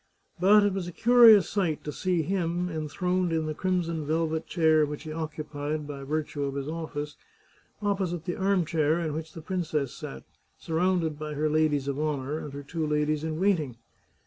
But it was a curious sight to see him, enthroned in the crimson velvet chair which he occupied by virtue of his ofifice, opposite the arm chair in which the princess sat, surrounded by her ladies of honour and her two ladies in waiting.